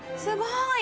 すごい！